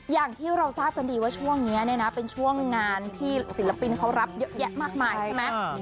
อย่างที่เราทราบกันดีว่าช่วงนี้เนี่ยนะเป็นช่วงงานที่ศิลปินเขารับเยอะแยะมากมายใช่ไหม